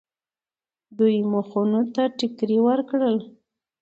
دوی مخونو ته ټکرې ورکړل.